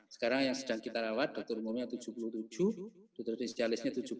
sekarang yang sedang kita rawat dokter umumnya tujuh puluh tujuh dokter spesialisnya tujuh puluh